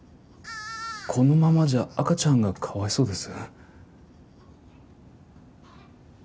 このままじゃ赤ちゃんがかわいそうです。